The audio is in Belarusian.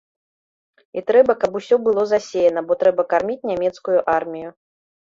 І трэба, каб усё было засеяна, бо трэба карміць нямецкую армію.